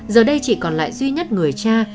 giờ đây chỉ còn lại duy nhất người cha